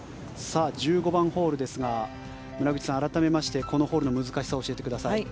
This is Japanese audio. １５番ホールですが村口さん、改めましてこのホールの難しさ教えてください。